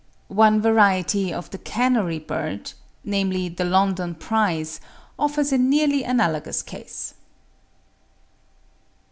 One variety of the Canary bird, namely the London Prize, offers a nearly analogous case.